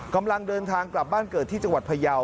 กำลังเดินทางกลับบ้านเกิดที่จังหวัดพยาว